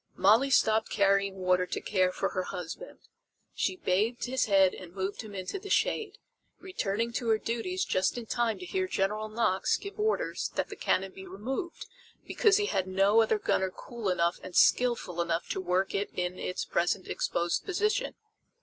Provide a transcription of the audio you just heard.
Molly stopped carrying water to care for her husband. She bathed his head and moved him into the shade, returning to her duties just in time to hear General Knox give orders that the cannon be removed, because he had no other gunner cool enough and skilful enough to work it in its present exposed position.